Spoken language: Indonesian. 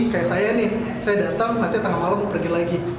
kayak saya nih saya datang nanti tengah malam pergi lagi